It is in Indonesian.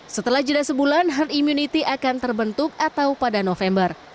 setelah jeda sebulan herd immunity akan terbentuk atau pada november